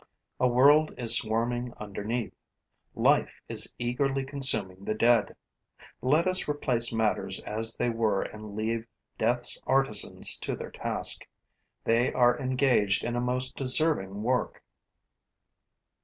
A world is swarming underneath; life is eagerly consuming the dead. Let us replace matters as they were and leave death's artisans to their task. They are engaged in a most deserving work.